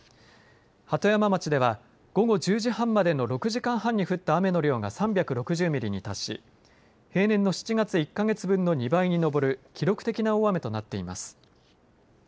鳩山町では午後１０時半までの６時間半に降った雨の量が３６０ミリに達し平年の７月１か月分の２倍に上る記録的な大雨となっています。